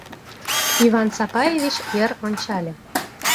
— Иван Сапаевич йыр ончале.